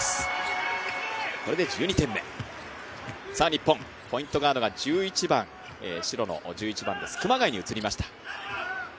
日本、ポイントガードが白の１１番の熊谷に移りました。